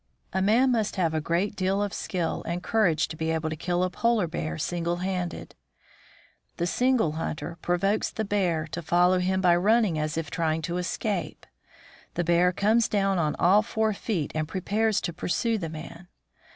A man must have a great deal of skill and courage to be able to kill a polar bear single handed. The single hunter provokes the bear to follow him by running as if trying to escape. The bear comes down on all four feet and prepares to pursue the man.